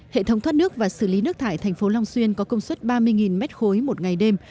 hệ thống thoát nước và xử lý nước thải thành phố long xuyên có công suất ba mươi m ba một ngày đêm